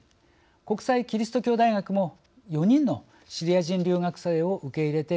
国際基督教大学も４人のシリア人留学生を受け入れてきました。